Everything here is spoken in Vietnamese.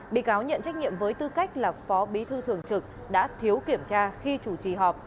bị cáo nhận trách nhiệm với tư cách là phó bí thư thường trực đã thiếu kiểm tra khi chủ trì họp